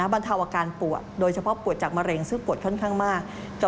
บรรเทาอาการปวดโดยเฉพาะปวดจากมะเร็งซึ่งปวดค่อนข้างมาก